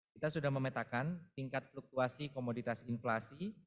kita sudah memetakan tingkat fluktuasi komoditas inflasi